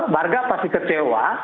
warga pasti kecewa